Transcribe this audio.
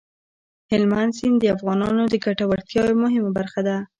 هلمند سیند د افغانانو د ګټورتیا یوه مهمه برخه ده.